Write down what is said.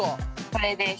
これです。